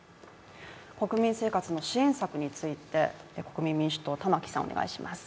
国民生活の支援策について国民民主党の玉木さんお願いします。